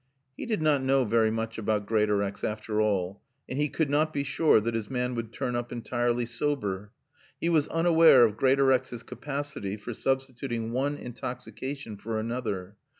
He did not know very much about Greatorex, after all, and he could not be sure that his man would turn up entirely sober. He was unaware of Greatorex's capacity for substituting one intoxication for another.